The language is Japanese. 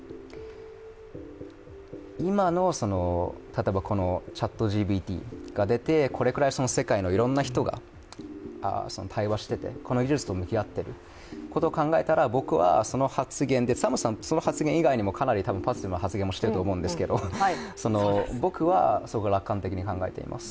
今の例えばＣｈａｔＧＰＴが出てこのくらい世界のいろんな人が対話してて、この技術を向き合ってることを考えたら僕はその発言、サムさんってその発言以外にもかなりパッシブな発言もしてると思うんですけど僕はすごく楽観的に考えています。